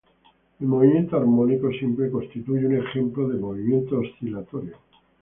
El movimiento armónico simple constituye un ejemplo de movimiento oscilatorio.